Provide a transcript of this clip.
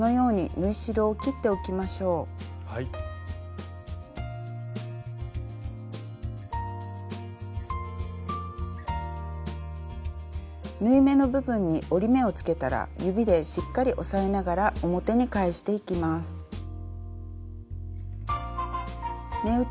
縫い目の部分に折り目をつけたら指でしっかり押さえながら表に返していきます。